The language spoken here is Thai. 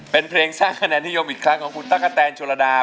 เป็นเพลงสร้างคะแนนนิยมอีกครั้งของคุณตั๊กกะแตนโชลดา